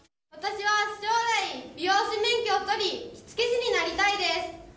私は将来、美容師免許を取り、着付け師になりたいです。